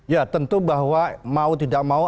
ya tentu bahwa mau tidak mau